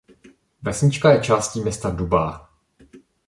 Vesnička je částí města Dubá.